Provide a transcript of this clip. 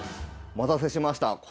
お待たせしました。